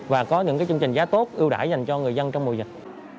và có những chương trình giá tốt ưu đãi dành cho người dân trong mùa dịch